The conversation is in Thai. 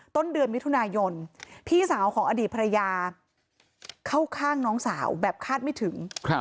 ต้นเดือนมิถุนายนพี่สาวของอดีตภรรยาเข้าข้างน้องสาวแบบคาดไม่ถึง